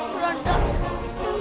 keranda buat mayat